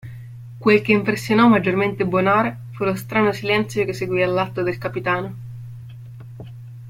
Quel che impressionò maggiormente Bonard fu lo strano silenzio che seguì all'atto del capitano.